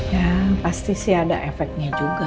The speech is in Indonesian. ya pasti sih ada efeknya juga